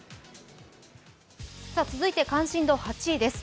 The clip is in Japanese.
続いて関心度８位です。